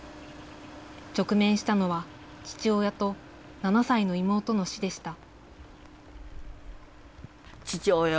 直面したのは、父親と７歳の妹の死でした。